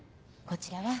こちらは。